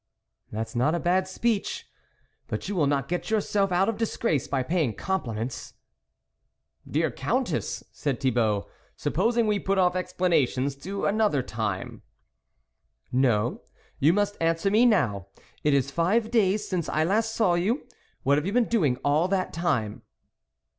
" That's not a bad speech ; but you will not get yourself out of disgrace by paying compliments." " Dear Countess," said Thibault, " sup posing we put off explanations to another time," " No, you must answer me now ; it is five days since I last saw you ; what have you been doing all that time